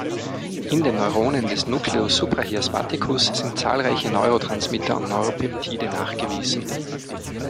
In den Neuronen des Nucleus suprachiasmaticus sind zahlreiche Neurotransmitter und Neuropeptide nachgewiesen.